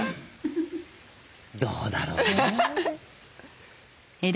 どうだろうな？